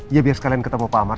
ya biar sekalian ketemu pak ahmad